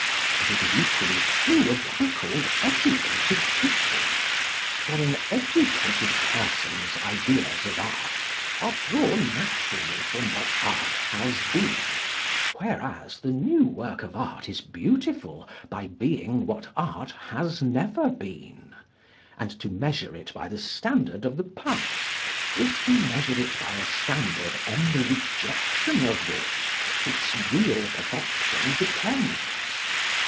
But it is equally true of what are called educated people. For an educated person's ideas of Art are drawn naturally from what Art has been, whereas the new work of art is beautiful by being what Art has never been; and to measure it by the standard of the past is to measure it by a standard on the rejection of which its real perfection depends.